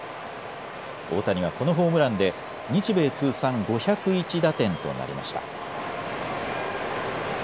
大谷はこのホームランで日米通算５０１打点となりました。